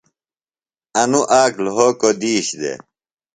انوۡ آک لھوکوۡ دِیش دےۡ